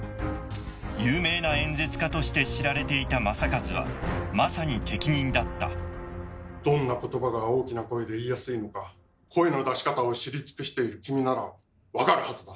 有名な演説家として知られていた正一はまさに適任だったどんなことばが大きな声で言いやすいのか声の出し方を知り尽くしている君なら分かるはずだ。